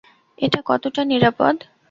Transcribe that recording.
এটা কতটা নিরাপদ?